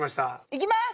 いきます。